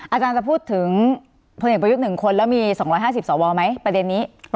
อาจารย์จะพูดถึงพลเอกประยุทธ์๑คนแล้วมี๒๕๐สวไหมประเด็นนี้